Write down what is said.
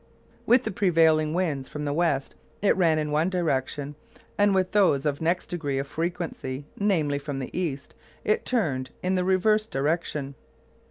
With the prevailing winds from the west it ran in one direction, and with those of next degree of frequency, namely from the east, it turned in the reverse direction.